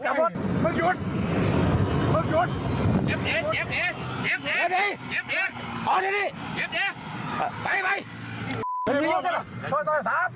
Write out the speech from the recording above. มึงหยุด